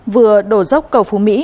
vừa đổ dốc cầu phú mỹ